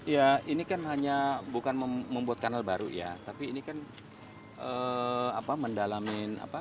ya ini kan hanya bukan membuat kanal baru ya tapi ini kan mendalamin apa